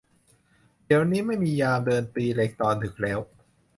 เดี๋ยวนี้ไม่มียามเดินตีเหล็กตอนดึกแล้ว